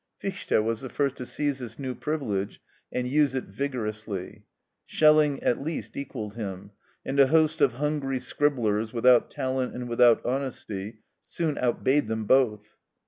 Fichte was the first to seize this new privilege and use it vigorously; Schelling at least equalled him; and a host of hungry scribblers, without talent and without honesty, soon outbade them both.